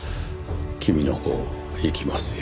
君のほういきますよ。